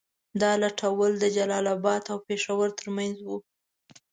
دا لوټول د جلال اباد او پېښور تر منځ وو.